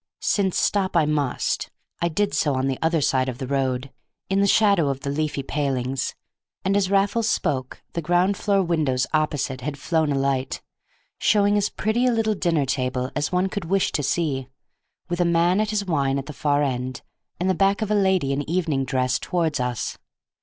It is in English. Since stop I must, I had done so on the other side of the road, in the shadow of the leafy palings, and as Raffles spoke the ground floor windows opposite had flown alight, showing as pretty a little dinner table as one could wish to see, with a man at his wine at the far end, and the back of a lady in evening dress toward us.